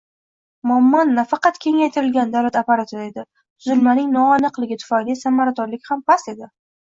Muammo nafaqat kengaytirilgan davlat apparatida edi: tuzilmaning noaniqligi tufayli samaradorlik ham past edi